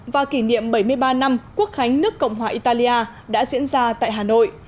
và kỷ niệm bảy mươi ba năm quốc khánh nước cộng hòa italia đã diễn ra tại hà nội